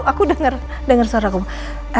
aku denger suara kamu